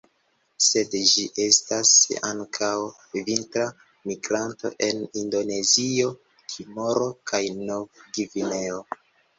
Sed ĝi estas ankaŭ vintra migranto en Indonezio, Timoro kaj Nov-Gvineo.